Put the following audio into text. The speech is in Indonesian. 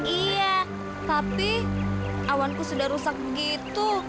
iya tapi awanku sudah rusak begitu